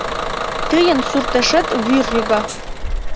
Тыйын суртешет вӱр йога.